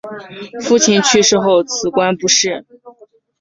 父亲去世后辞官不仕。